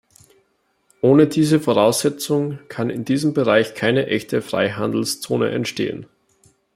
Ohne diese Voraussetzung kann in diesem Bereich keine echte Freihandelszone entstehen.